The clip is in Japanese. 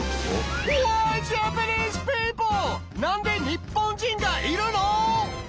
何で日本人がいるの？